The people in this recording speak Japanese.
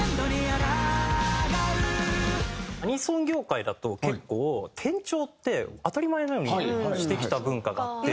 アニソン業界だと結構転調って当たり前のようにしてきた文化があって。